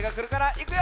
いくよ！